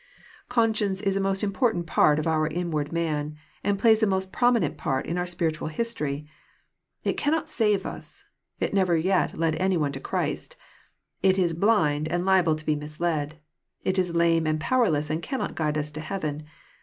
64 EXP08IT0BT THOUGHTS. Conscience is a most important part of our inward man, and plays a most prominent part in oar spiritnal history. It cannot save us. It never yet led any one to Christ. It is blind, and liable to be misled. It is lame and powerless, and cannot guide us to heaven.